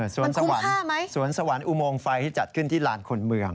สวนสวรรค์สวนสวรรค์อุโมงไฟที่จัดขึ้นที่ลานคนเมือง